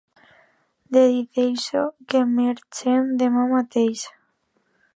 Decideixo que marxem demà mateix.